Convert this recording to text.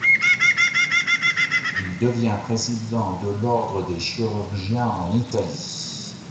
Il devient président de l'Ordre des Chirurgiens en Italie.